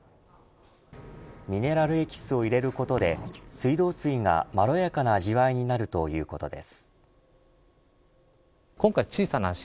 ミネラルエキスを入れることで水道水がまろやかな味わいになるということです。